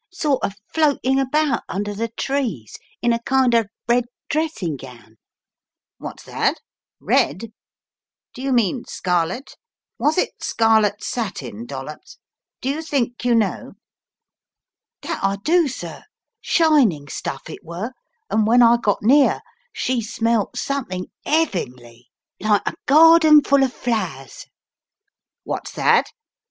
Sort of floating about under the trees in a kind of red dressing gown " "What's that — red — do you mean scarlet? Was it scarlet satin, Dollops? Do you think you know?" "That I do, sir. Shining stuff it were and when 138 The Riddle of the Purple Emperor I got near, she smelt something hevingly, like a garden full o' flowers/' "What's that?"